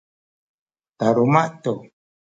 taluma’ tu